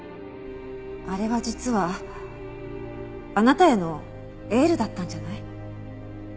あれは実はあなたへのエールだったんじゃない？